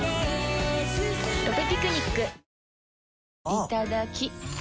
いただきっ！